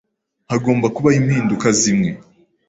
Hagomba kubaho impinduka zimwe.